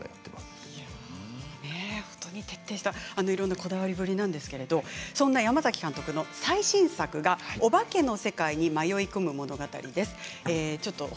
いろいろなこだわりぶりなんですがそんな山崎監督の最新作がおばけの世界に迷い込む物語です。